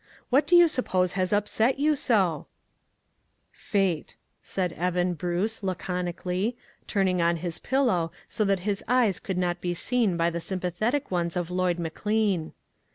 What do you suppose has upset you so ?"" Fate," said Eben Bruce, laconically, turning on his pillow, so that his eyes could not be seen by the sympathetic ones of Lloyd McLean.